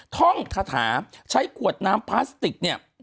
ท่องถาใช้กวดน้ำพลาสติก